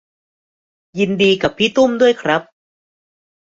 ยินดีกับพี่ตุ้มด้วยครับ